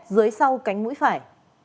dưới sau cánh mũi phải